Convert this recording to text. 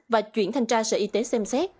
và chuyển thành sở y tế xem xét